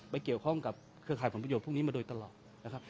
ไปเกี่ยวข้องกับเครื่องขายขนพยพพวกนี้มาโดยตลอดนะครับ